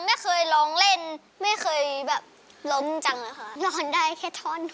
ไม่เคยร้องเล่นไม่เคยแบบร้องจังอะไรฮะ